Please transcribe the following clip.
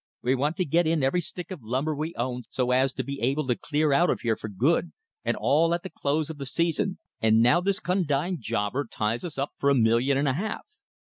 We want to get in every stick of timber we own so as to be able to clear out of here for good and all at the close of the season; and now this condigned jobber ties us up for a million and a half."